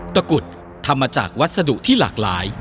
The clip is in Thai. กุดทำมาจากวัสดุที่หลากหลาย